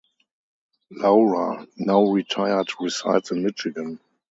Laura, now retired, resides in Michigan.